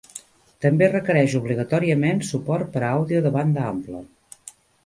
També requereix obligatòriament suport per a àudio de banda ampla.